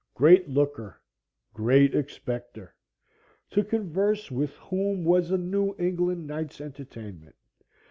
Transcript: Great Looker! Great Expecter! to converse with whom was a New England Night's Entertainment.